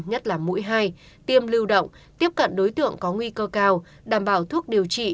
nhất là mũi hai tiêm lưu động tiếp cận đối tượng có nguy cơ cao đảm bảo thuốc điều trị